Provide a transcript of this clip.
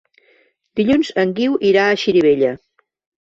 Dilluns en Guiu irà a Xirivella.